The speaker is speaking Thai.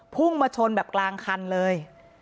พุ่งมาชนแบบกลางคันเลย